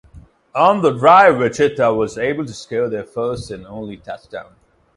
On the drive Wichita was able to score their first and only touchdown.